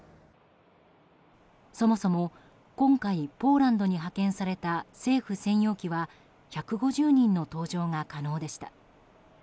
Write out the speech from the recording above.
そもそも今回ポーランドに派遣された政府専用機は１５０人の搭乗が可能でした。